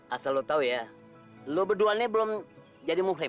asal lo tau ya lo berduanya belum jadi muhrim